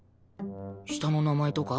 下の名前とか？